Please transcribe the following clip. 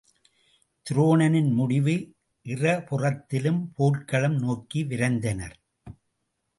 துரோணனின் முடிவு இறபுறத்திலும் போர்க்களம் நோக்கி விரைந்தனர்.